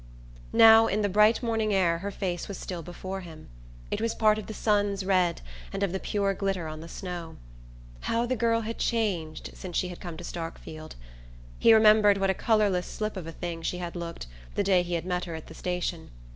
Now, in the bright morning air, her face was still before him. It was part of the sun's red and of the pure glitter on the snow. How the girl had changed since she had come to Starkfield! He remembered what a colourless slip of a thing she had looked the day he had met her at the station.